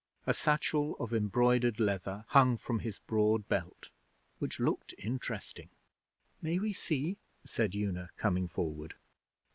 A satchel of embroidered leather hung from his broad belt, which looked interesting. 'May we see?' said Una, coming forward.